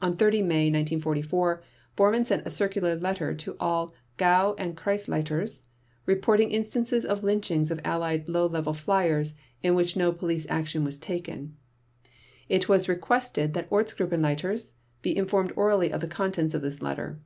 On 30 May 1944 Bormann sent a circular letter to all Gau and Kreisleiters reporting instances of lynchings of Allied low level fliers in which no police action was taken. It was requested that Ortsgruppenleiters be informed orally of the contents of this letter.